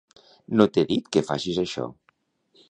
No t'he dit que facis això.